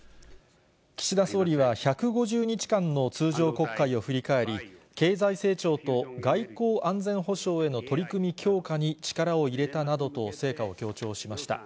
岸田総理は１５０日間の通常国会を振り返り、経済成長と外交安全保障への取り組み強化に力を入れたなどと成果を強調しました。